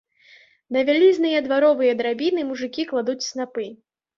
На вялізныя дваровыя драбіны мужыкі кладуць снапы.